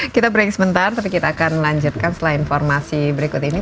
kita break sebentar tapi kita akan lanjutkan setelah informasi berikut ini